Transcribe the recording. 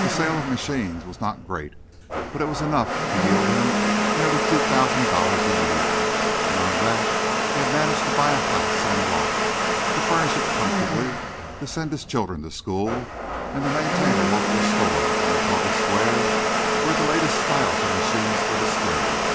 The sale of machines was not great, but it was enough to yield him nearly two thousand dollars a year; and on that he had managed to buy a house and lot, to furnish it comfortably, to send his children to school, and to maintain a local store on the public square where the latest styles of machines were displayed.